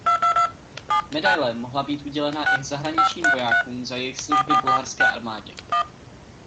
Medaile mohla být udělena i zahraničním vojákům za jejich služby bulharské armádě.